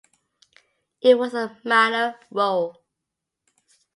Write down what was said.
It was a minor role.